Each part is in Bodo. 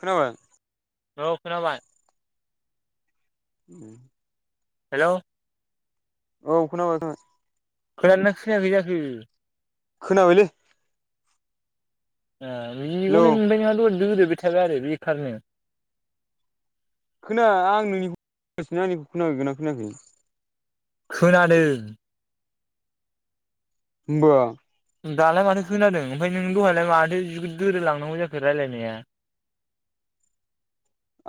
खोनाबाय? औ खोनाबा। [unintelligible] हेल' औ खोनाबाय खोनाबाय। खोनादोंना खोनायाखै जाखो? खोनाबायलै हेलौ [unintelligible] [unintelligible] थाबाय आरो बेखारनो खोना आं नोंनिखौ [unintelligible] गासिनो आंनिखौ खोनादोंना खोनाखै? खोनादों। बा दालाय माथो खोनादों ओमफ्राय नों दहायलाय माथो जि दोरोद लांनांगौ जाखो रायलायनाया।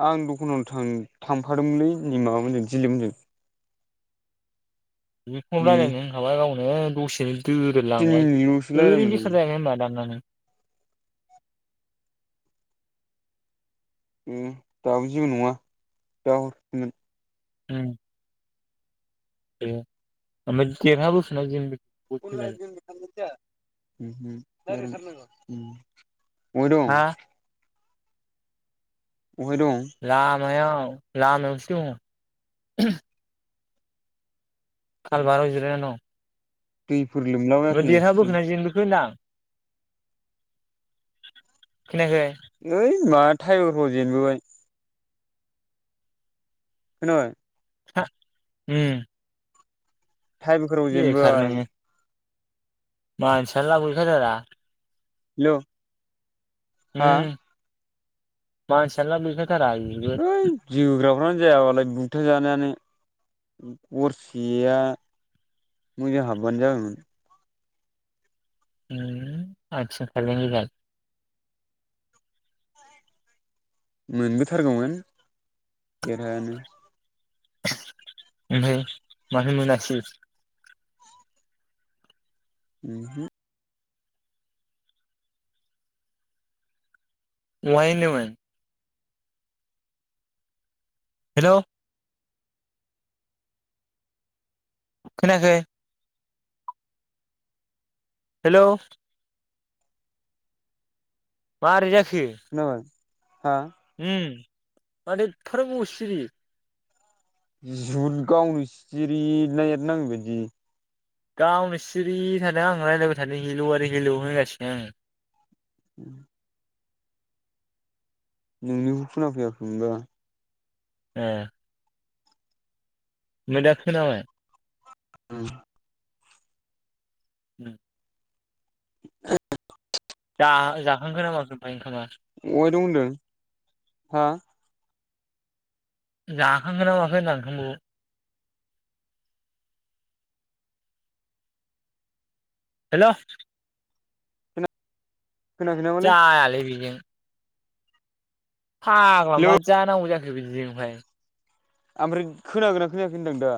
आं दखानाव थां-थांफादोंमोनलै नै माबाम मोनजों दिलिपमोनजों। बेखौनो उम रायलायनो होनखाबाय गावनो दसेनो तिन दोरोदलांबाय मिनिटल'सो रायलाय ओरैनो मोनदों बेखार जायाखै होनबा दाननानै। उम दाबो जेबो नङा दा हरफिनगोन। उम। ओमफ्राय देरहा बोखोना जेनबो उम उम। उम। अबहाय हा दं? अबहाय दं? मायाव लामायाव दं। कालबाराव जिरायना दं। दै ओ देरहाबोखोना जेनबोखो होनदां? [inaudible] ओय मा थ्रायबेगाराव जेनबोबाय। खोनाबाय? उम। थ्रायबेगाराव बेखार जेनबाय। नोङो मानसियानो लाब गैखाथारा। हेलौ। हा उम। मानसियानो लाब गैखा थारा बिगुर। फ्रानो जायाबालाय बुब्था जानायानो गरसेया मोजां हाब्बानो जाबायमोन। उम आतसा थायबें बेगर। मोनबोथारगौमोन देरहायानो। ओमफाय मानो मोनासै? उमहु। अहाय होन्दोमोन? हेलौ। खोनायाखै? हेलौ। मारै जा नो। हा? उम माथो इपफा गोबाव सिरि। जुन गावनो सिरि नेट नाङिबादि। गावनो सिरि थादों आं रायज्लायबाय थादों हेलौ आरो हेलौ होनगासिनो आङो। उम। नोंनिखो खोना फैयाखैमोनबा। ए। ओमफ्राय दा खोनाबाय। उम। उम। [inaudible] जा-जाखांखोना ना माखो ओमफाय ओंखामा? अहाय दं ओनदों हा? जाखांखोना ना माखो होन्दां ओंखामखौ। हेल'। खोनायाखै नामालै जायालै बिजों। फाग्ला हेलौ मा जानांगौ जाखो। बेबायदिजोंहाय आमफ्राय खोनागोना खोनायाखै होनदों दा?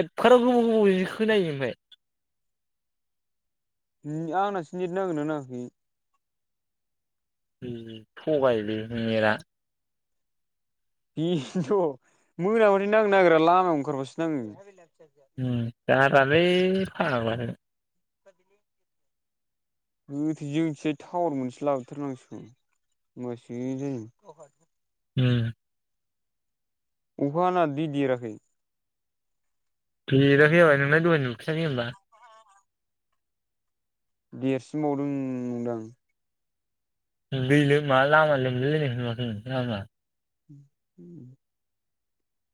एफाराव गोबाव गोबावजों खोनायो ओमफाय। आंनासो नेट नांदोना नाङाखै? थगायलै मेरा बिनोथ' मोनाबाथाय नांनो नागिरा लामायाव ओंखारबासो नाङो। उम [unintelligible] है फाग्लासो। [inaudible] गोथैसो जोंथि टावार मोनसे लाबो थारनांसिगोन होमबासो जागोन। ओम। अखा हाना दै देराखै? देराखैजाबाय नोंलाय दहाय नुखायाखै होमबा? देरसिनबावदों नंदां। दै लोमा लोमा लामा लोमलायनायखौ नुयाखै लामा। उम।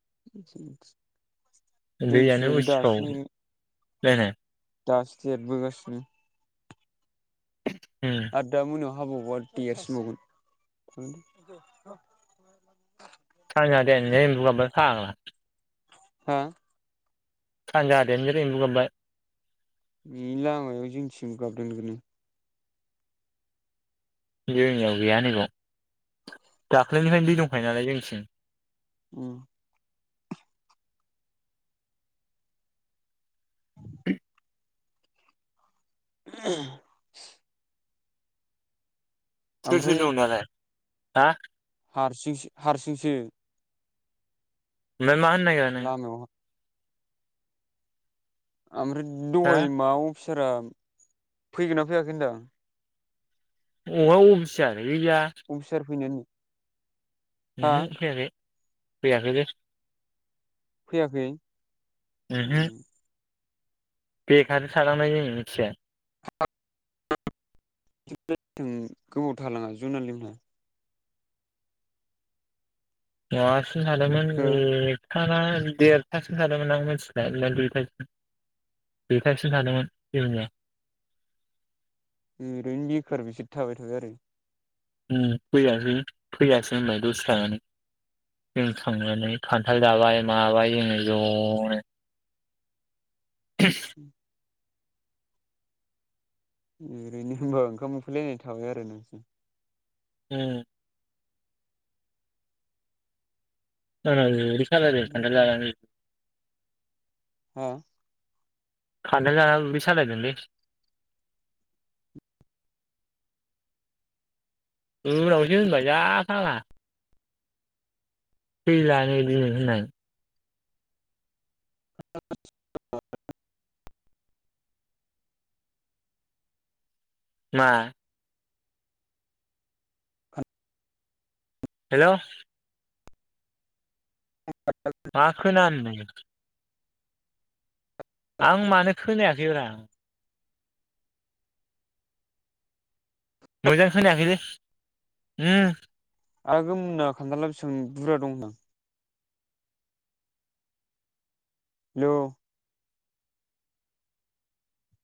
[unintelligible] दैयानो जोंथिंजायबो दासो उसिफाव [unintelligible] दासो देरबोगासिनो। उम आरो दा मोनायाव अखा हाबावबा देरसिन बावगोन। सानजाहा देनजार एम्बु गाबबाय। फाग्ला। हा सानजाहा देनजार एम्बु गाबबाय बेनि लामायाव जोंथिं गाबदोन जोंनियाव गैया‌ नैबेयाव दाख्लैनिफ्रायनो दै दंखायो नालाय जोंथिं अम [unintelligible] सोर सोर ओमफ्राय दं दालाय हा हारसिं हारसिंसो ओमफ्राय मा होननो नागिरा नों लामायाव ओमफ्राय हा दहाय माव सारा फैगोनना फैयाखै होनदों अहा अबिथिं जाय अफिसार फैनो अमहो फैयाखै फैयाखैलै फैयाखै अम बेखार थालांनाय जों मिथिबाय गोबाव थालाङा जुनालि मोनहा [unintelligible] सिं थादोंमोन हो उम साला देरथासिम थादोंमोन आं मिथिबाय दुइथासिम दुइथासिम थादोंमोन जोंनिया ओरैनो बेखार बिसोर थाबाय थाबाय आरो। ओ फैयासै फैयासै होनबाय दसे थानानै जों थांनानै। खान्थाल जाबाय माबाय। जोङो जनो। [inaudible] ओरैनो होनबा ओंखाम उखैलायनाय थाबाय आरो नोंसोर? उम [unintelligible] उदै सालायदों खान्थाल जानानै। हा? खान्थाल जाना उदै सालायदोंलै उनावसो होनबाय जा फाग्ला। फैलानो दिनै होननाय। [unintelligible] मा? हेल'। मा खोनानो मोनो। आं मानो खोनायाखैब्रा? मोजां खोनायाखैलै ओम। आगोममोनना खान्थाला बिसां बुरा दं होनदों? ल'।